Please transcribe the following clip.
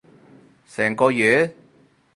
成個月？